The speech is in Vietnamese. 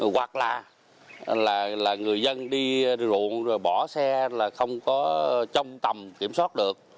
hoặc là người dân đi ruộng rồi bỏ xe là không có trong tầm kiểm soát được